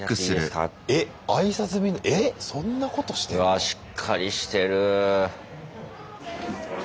わあしっかりしてる。